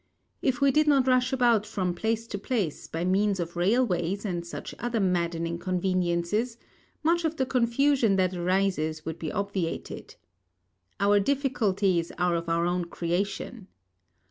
If we did not rush about from place to place by means of railways and such other maddening conveniences, much of the confusion that arises would be obviated. Our difficulties are of our own creation.